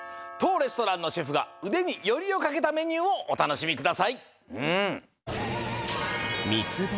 とうレストランのシェフがうでによりをかけたメニューをおたのしみください。